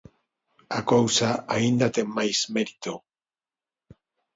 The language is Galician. A cousa aínda ten máis mérito.